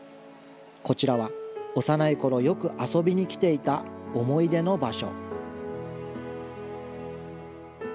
こちらは幼いころ、よく遊びに来ていた思い出の場所。